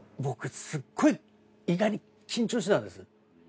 僕すっごい意外に緊張してたんです。